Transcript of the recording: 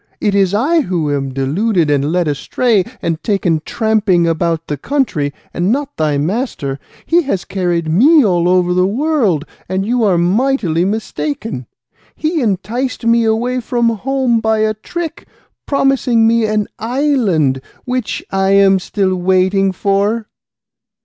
it is I who am deluded, and led astray, and taken tramping about the country, and not thy master! He has carried me all over the world, and you are mightily mistaken. He enticed me away from home by a trick, promising me an island, which I am still waiting for."